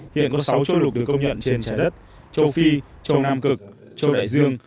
hiện có sáu châu lục được công nhận trên trái đất châu phi châu nam cực châu đại dương